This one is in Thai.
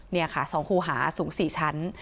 นี่ค่ะ๒คูหาสูง๔ชั้น